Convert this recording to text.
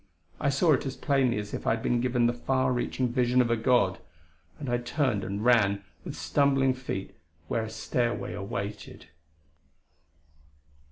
I saw it as plainly as if I had been given the far reaching vision of a god ... and I turned and ran with stumbling feet where a stairway awaited....